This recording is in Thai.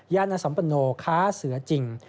ย่านสำบัญโนค้าเสือจริง